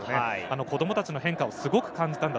子どもたちの変化をすごく感じた。